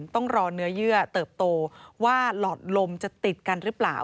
ต้องรอเนื้อเยื่อเติบโตว่าหลอดลมจะติดกันหรือเปล่า